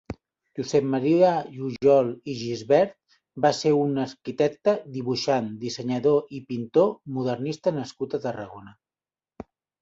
Josep Maria Jujol i Gibert va ser un arquitecte, dibuixant, dissenyador i pintor modernista nascut a Tarragona.